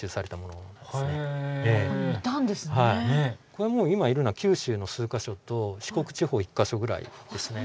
これもう今いるのは九州の数か所と四国地方１か所ぐらいですね。